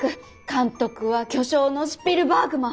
監督は巨匠のスピルバーグマ！